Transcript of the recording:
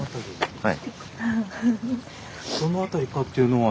はい。